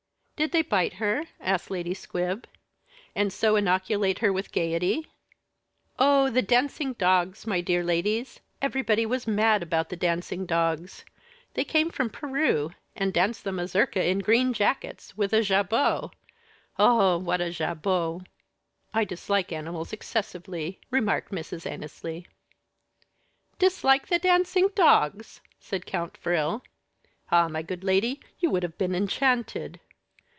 "Did they bite her?" asked Lady Squib, "and so inoculate her with gayety?" "Oh! the dancing dogs, my dear ladies! everybody was mad about the dancing dogs. They came from Peru, and danced the mazurka in green jackets with a jabot! Oh! what a jabot!" "I dislike animals excessively," remarked Mrs. Annesley. "Dislike the dancing dogs!" said Count Frill. "Ah, my good lady, you would have been enchanted.